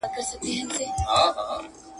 ښه عمل د لاري مل ضرب المثل دی.